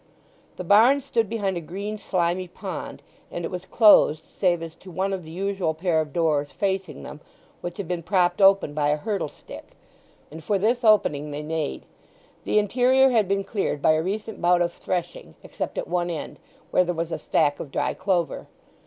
The barn stood behind a green slimy pond, and it was closed save as to one of the usual pair of doors facing them, which had been propped open by a hurdle stick, and for this opening they made. The interior had been cleared by a recent bout of threshing except at one end, where there was a stack of dry clover.